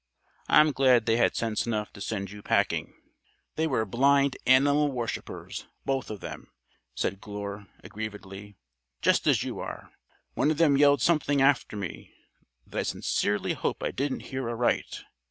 I'm glad they had sense enough to send you packing." "They were blind animal worshipers, both of them," said Glure aggrievedly, "just as you are. One of them yelled something after me that I sincerely hope I didn't hear aright.